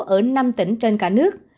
ở năm tỉnh trên cả nước